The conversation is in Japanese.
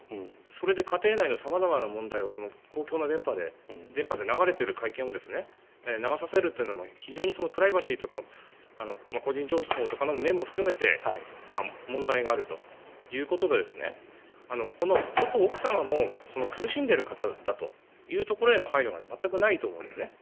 それで家庭内の様々な問題を公共の電波で流れている会見を流させるというのも非常にプライバシーとか個人情報とかの面も含めて問題があるということでこの元奥様も苦しんでる方だというところへの配慮が全くないと思うんですね。